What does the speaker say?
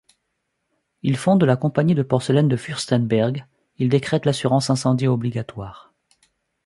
Il fonde la Compagnie de porcelaine de Fürstenberg, il décrète l'assurance incendie obligatoire.